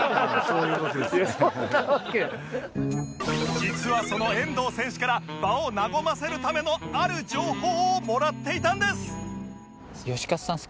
実はその遠藤選手から場を和ませるためのある情報をもらっていたんです